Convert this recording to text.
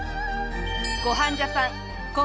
『ごはんジャパン』